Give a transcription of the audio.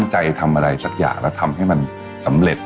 ส่วนความเพียงเราก็ถูกพูดอยู่ตลอดเวลาในเรื่องของความพอเพียง